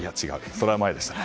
それは前でしたね。